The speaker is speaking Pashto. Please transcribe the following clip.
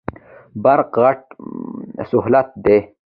برق غټ سهولت دی.